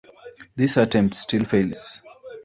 This attempt still fails.